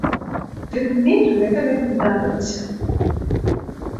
Тым не менш гэтага не здарылася.